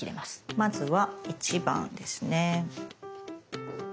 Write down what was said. まずは１番ですね。